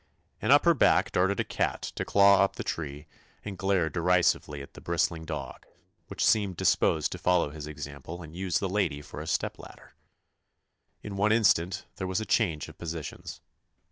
and up her back darted a cat to claw up the tree, and glare derisively at the bristling dog, which seemed dis posed to follow his example and use the lady for a stepladder. In one little instant there was a change of positions.